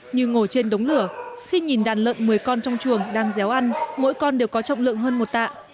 như ngồi trên đống lửa khi nhìn đàn lợn một mươi con trong chuồng đang déo ăn mỗi con đều có trọng lượng hơn một tạ